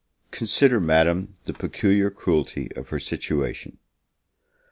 Consider Madam, the peculiar cruelty of her situation.